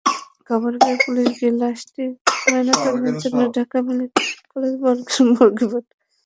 খবর পেয়ে পুলিশ গিয়ে লাশটি ময়নাতদন্তের জন্য ঢাকা মেডিকেল কলেজ মর্গে পাঠায়।